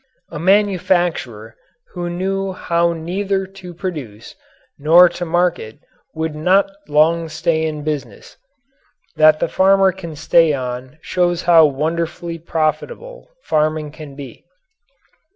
A manufacturer who knew how neither to produce nor to market would not long stay in business. That the farmer can stay on shows how wonderfully profitable farming can be.